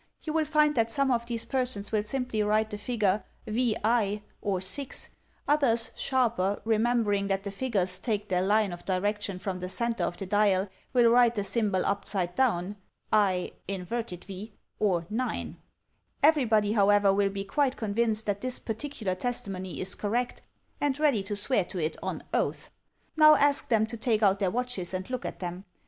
You will find that some of these persons will simply write the figure VI or 6; others, sharper, remembering that the figures take their line of direction from the centre of the dial, will write the symbol upside down, lA or 9. Everybody, however, will be quite convinced that his particular testi ' ffllt fi ftlJTIiitl 266 THE TECHNIQUE OF THE MYSTERY STORY mony is correct, and ready to swear to it on oath. Now ask them to take out their watches and look at them.